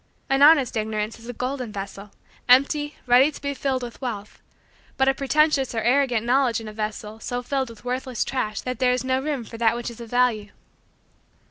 An honest Ignorance is a golden vessel, empty, ready to be filled with wealth but a pretentious or arrogant knowledge is a vessel so filled with worthless trash that there is no room for that which is of value.